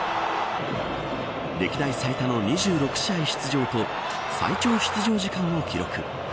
歴代最多の２６試合出場と最長出場時間を記録。